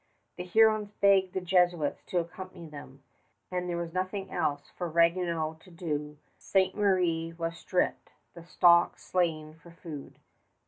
The Hurons begged the Jesuits to accompany them, and there was nothing else for Ragueneau to do. Ste. Marie was stripped, the stock slain for food.